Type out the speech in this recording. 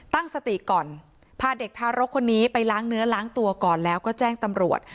ตั้งสติก่อนพาเด็กทารกคนนี้ไปล้างเนื้อล้างตัวก่อนแล้วก็แจ้งตำรวจ